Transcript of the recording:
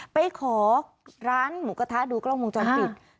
ไปขอร้านหมูกระทะดูกล้องวงจรปิด